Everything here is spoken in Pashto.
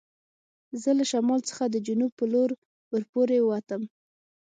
زه له شمال څخه د جنوب په لور ور پورې و وتم.